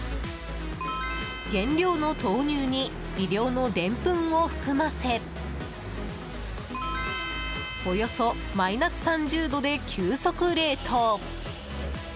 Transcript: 原料の豆乳に微量のでんぷんを含ませおよそマイナス３０度で急速冷凍。